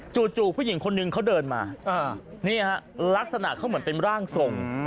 ผู้หญิงคนนึงเขาเดินมานี่ฮะลักษณะเขาเหมือนเป็นร่างทรง